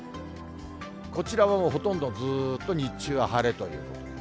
こちらもほとんどずーっと日中は晴れということです。